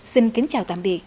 xin kính chào tạm biệt